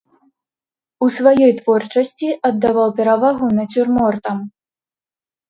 У сваёй творчасці аддаваў перавагу нацюрмортам.